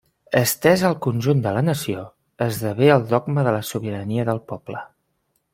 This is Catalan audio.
Estesa al conjunt de la nació, esdevé el dogma de la sobirania del poble.